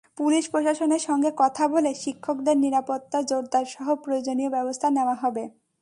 Police প্রশাসনের সঙ্গে কথা বলে শিক্ষকদের নিরাপত্তা জোরদারসহ প্রয়োজনীয় ব্যবস্থা নেওয়া হবে।